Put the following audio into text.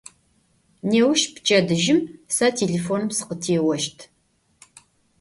Nêuş, pçedıjım, se têlêfonım sıkhıtêoşt.